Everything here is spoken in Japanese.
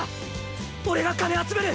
俺が金集める。